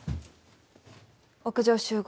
屋上集合